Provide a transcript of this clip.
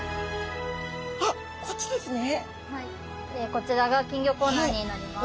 こちらが金魚コーナーになります。